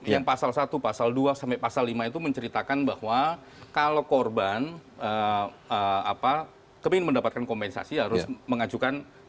yang pasal satu pasal dua sampai pasal lima itu menceritakan bahwa kalau korban kepingin mendapatkan kompensasi harus mengajukan